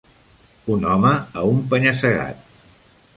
Un home a un penya-segat.